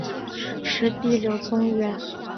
石壁流淙园在清代原是扬州盐商徐赞侯别墅。